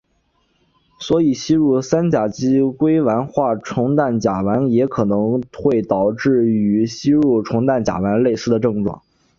所以吸入三甲基硅烷化重氮甲烷可能也会导致与吸入重氮甲烷类似的症状。